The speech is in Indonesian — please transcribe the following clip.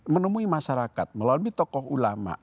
menemui masyarakat melalui tokoh ulama